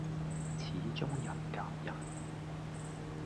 始終人夾人